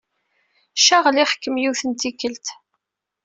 Caɣliɣ-kem yiwet n tikkelt.